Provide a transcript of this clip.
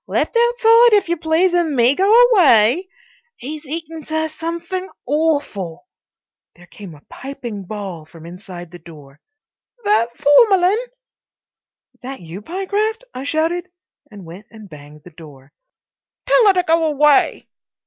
Left outside, if you please, and me go away. 'E's eatin', sir, somethink AWFUL." There came a piping bawl from inside the door: "That Formalyn?" "That you, Pyecraft?" I shouted, and went and banged the door. "Tell her to go away."